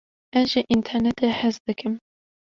Ez ji înternetê hez dikim.